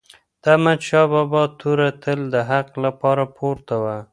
د احمدشاه بابا توره تل د حق لپاره پورته وه.